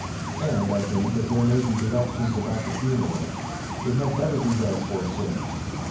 And, I think, as there may be directions about the funeral, it had better be read forthwith.